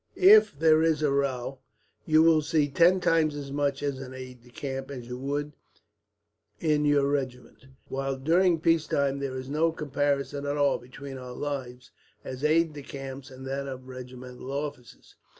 "If there is a row, you will see ten times as much as an aide de camp as you would in your regiment, while during peacetime there is no comparison at all between our lives as aides de camp and that of regimental officers.